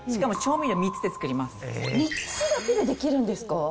３つだけでできるんですか？